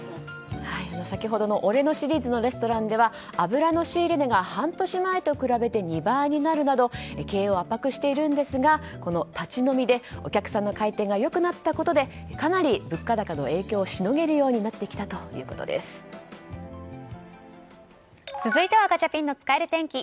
先ほどの俺のシリーズのレストランでは油の仕入れ値が半年前と比べて２倍になるなど経営を圧迫しているんですがこの立ち飲みでお客さんの回転が良くなったことでかなり物価高の影響をしのげるようになってきた続いてはガチャピンの使える天気。